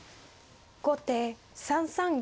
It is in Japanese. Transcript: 後手３三玉。